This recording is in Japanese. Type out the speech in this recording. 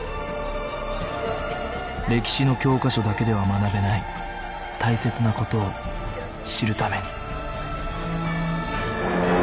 歴史の教科書だけでは学べない大切な事を知るために